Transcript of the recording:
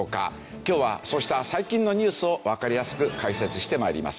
今日はそうした最近のニュースをわかりやすく解説して参ります。